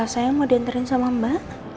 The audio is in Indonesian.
saya mau diantarin sama mbak